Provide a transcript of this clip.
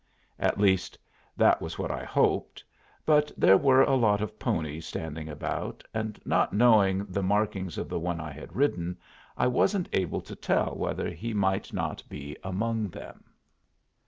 At least that was what I hoped; but there were a lot of ponies standing about, and, not knowing the markings of the one I had ridden, I wasn't able to tell whether he might not be among them.